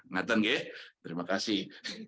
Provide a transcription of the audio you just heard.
ngeteng gih terima kasih